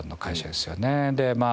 でまあ